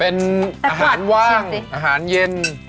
เป็นอาหารว่างอาหารเย็น